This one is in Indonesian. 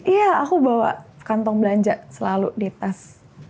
iya aku bawa kantong belanja selalu dites